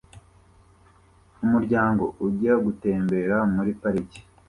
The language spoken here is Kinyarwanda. Umuryango ujya gutembera muri parike